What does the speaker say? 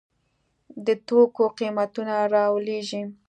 د توکو قیمتونه رالویږي.